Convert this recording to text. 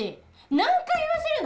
何回言わせるの！